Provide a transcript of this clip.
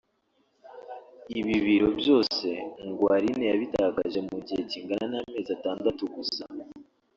Ibi biro byose ngo Aline yabitakaje mu gihe kingana n’amezi atandatu gusa